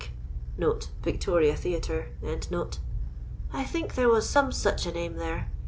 [Victoria Theatre] ; I think there was some sich a name there.